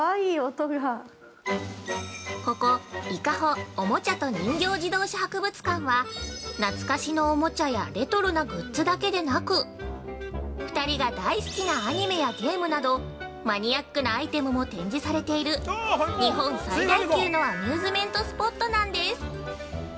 ◆ここ、伊香保おもちゃと人形自動車博物館は、懐かしのおもちゃや、レトロなグッズだけでなく、２人が大好きなアニメやゲームなどマニアックなアイテムも展示されている日本最大級のアミューズメントスポットなんです。